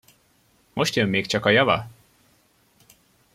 Most jön még csak a java!